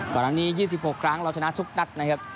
ก่อนอันนี้๒๖ครั้งเราชนะทุกนัดนะครับ